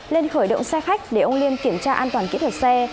lên khởi động xe khách để ông liên kiểm tra an toàn kỹ thuật xe